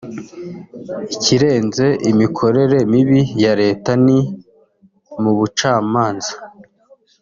Ikirenze imikorere mibi ya Leta ni mu bucamanza